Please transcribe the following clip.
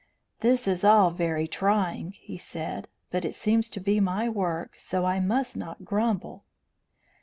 "This is all very trying," he said; "but it seems to be my work, so I must not grumble."